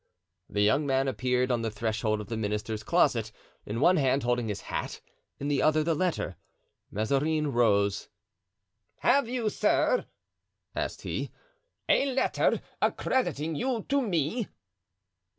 The young man appeared on the threshold of the minister's closet, in one hand holding his hat, in the other the letter. Mazarin rose. "Have you, sir," asked he, "a letter accrediting you to me?"